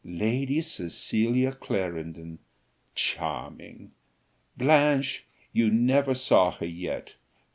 "Lady Cecilia Clarendon charming! Blanche, you never saw her yet.